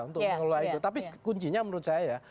untuk mengelola itu tapi kuncinya menurut saya